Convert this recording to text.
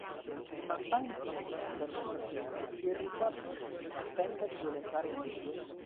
Ma Tang Jun, per l'occasione, si rifà vivo, e tenta di violentare Li.